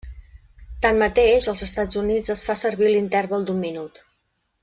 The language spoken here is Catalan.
Tanmateix als Estats Units es fa servir l'interval d'un minut.